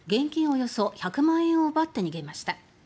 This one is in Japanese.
およそ１００万円を奪って逃げました。